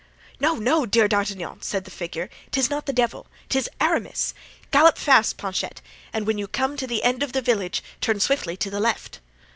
"No, no, dear D'Artagnan," said the figure, "'tis not the devil, 'tis Aramis; gallop fast, Planchet, and when you come to the end of the village turn swiftly to the left."